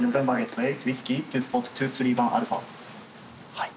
はい。